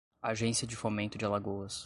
Agência de Fomento de Alagoas